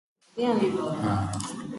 Let "G" be a locally compact Hausdorff group.